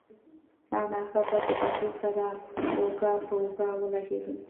او ناڅاپه د بهلول سره اوږه په اوږه ولګېده.